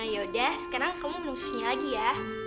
yaudah sekarang kamu minum susunya lagi ya